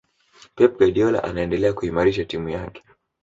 pep guardiola anaendelea kuimarisha timu yake